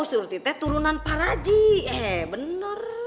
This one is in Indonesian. surti teh turunan paraji eh bener